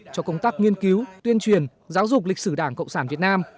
cho công tác nghiên cứu tuyên truyền giáo dục lịch sử đảng cộng sản việt nam